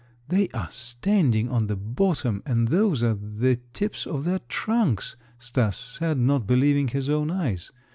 "They are standing on the bottom and those are the tips of their trunks," Stas said, not believing his own eyes.